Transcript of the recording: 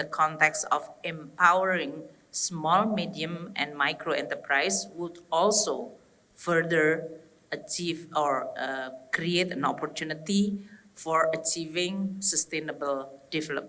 dalam konteks memperkuat smme umkm akan juga mengembangkan keuntungan untuk mencapai tujuan pembangunan kesehatan